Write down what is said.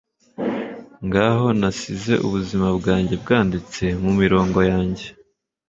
ngaho, nasize ubuzima bwanjye bwanditse mumirongo yanjye! ..